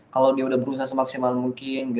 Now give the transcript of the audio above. kalau dia udah berusaha semaksimal mungkin